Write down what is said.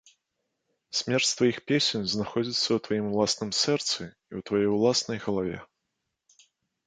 Смерць тваіх песень знаходзіцца ў тваім уласным сэрцы і ў тваёй уласнай галаве.